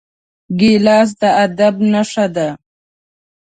ګیلاس د ادب نښه ده.